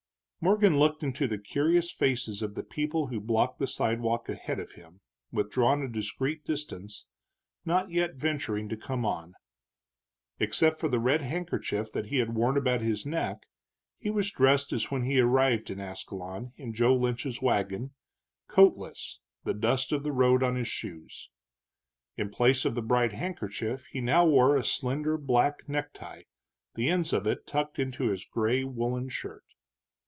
Morgan looked into the curious faces of the people who blocked the sidewalk ahead of him, withdrawn a discreet distance, not yet venturing to come on. Except for the red handkerchief that he had worn about his neck, he was dressed as when he arrived in Ascalon in Joe Lynch's wagon, coatless, the dust of the road on his shoes. In place of the bright handkerchief he now wore a slender black necktie, the ends of it tucked into his gray woolen shirt.